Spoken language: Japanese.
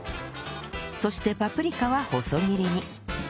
そしてパプリカは細切りに